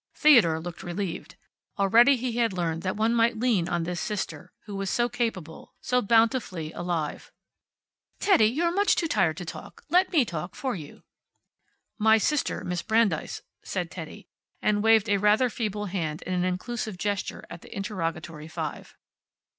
Theodore looked relieved. Already he had learned that one might lean on this sister who was so capable, so bountifully alive. "Teddy, you're much too tired to talk. Let me talk for you." "My sister, Miss Brandeis," said Teddy, and waved a rather feeble hand in an inclusive gesture at the interrogatory five.